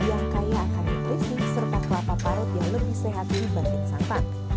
yang kaya akan industri serta kelapa parut yang lebih sehat dibanding santan